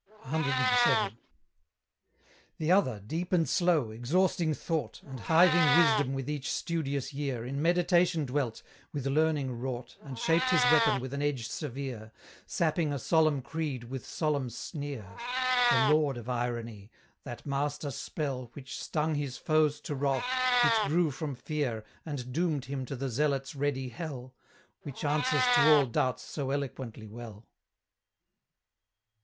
CVII. The other, deep and slow, exhausting thought, And hiving wisdom with each studious year, In meditation dwelt, with learning wrought, And shaped his weapon with an edge severe, Sapping a solemn creed with solemn sneer; The lord of irony, that master spell, Which stung his foes to wrath, which grew from fear, And doomed him to the zealot's ready hell, Which answers to all doubts so eloquently well.